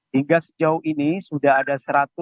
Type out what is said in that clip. hingga sejauh ini sudah ada